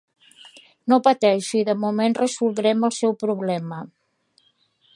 No pateixi, de moment resoldrem el seu problema.